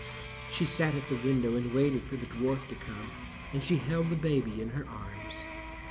She sat at the window and waited for the dwarf to come, and she held the baby in her arms.